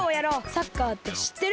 サッカーってしってる？